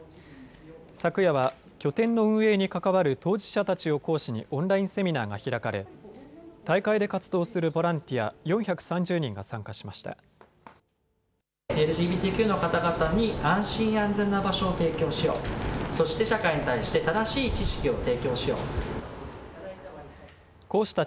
昨夜は拠点の運営に関わる当事者たちを講師にオンラインセミナーが開かれ大会で活動するボランティア、４３０人が参加しました。